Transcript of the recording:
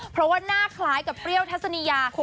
เพราะว่าหน้าคล้ายกับเปรี้ยวทัศนียา